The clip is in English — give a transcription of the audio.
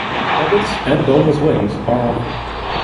Nuggets and boneless wings are offered.